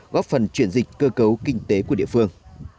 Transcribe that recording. góp phần chuyển dịch cơ cấu kinh tế của địa phương